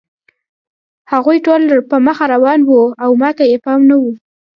هغوی ټول په مخه روان وو او ما ته یې پام نه و